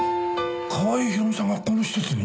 川合ひろみさんがこの施設に？